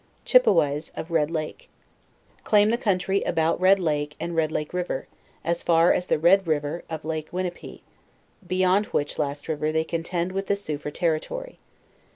CHIPPEWAYS OF RED LAKE. Claim the country about Red lake and Red lake river, as far as the Red river of lake Winnipie, beyond which last river they contend with the Sioux for territory.